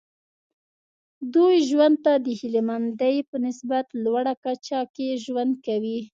دوی ژوند ته د هیله مندۍ په نسبتا لوړه کچه کې ژوند کوي.